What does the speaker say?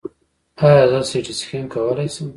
ایا زه سټي سکن کولی شم؟